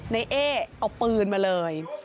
นายเอ๊ะเอาปืนมาเลย